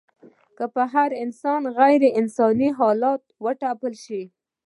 که پر انسان غېر انساني حالات وتپل سي